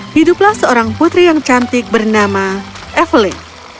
hiduplah seorang putri yang cantik bernama evely